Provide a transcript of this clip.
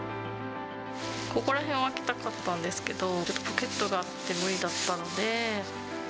ここら辺開けたかったんですけど、ちょっとポケットがあって無理だったので。